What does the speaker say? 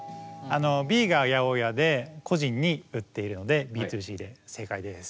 Ｂが八百屋で個人に売っているのでＢ２Ｃで正解です。